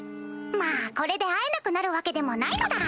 まぁこれで会えなくなるわけでもないのだ。